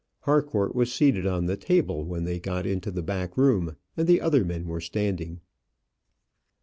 Harcourt was seated on the table when they got into the back room, and the other men were standing.